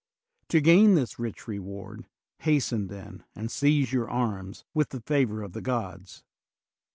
To gain this rich reward, hasten, then, and seize your arms, with the favor of the gods.